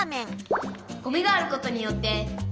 「ゴミがあることによって」。